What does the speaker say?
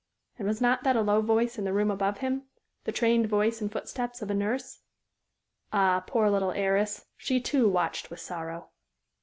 And was not that a low voice in the room above him the trained voice and footsteps of a nurse? Ah, poor little heiress, she, too, watched with sorrow!